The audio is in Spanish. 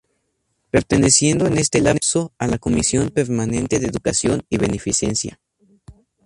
Perteneciendo en este lapso a la Comisión permanente de Educación y Beneficencia.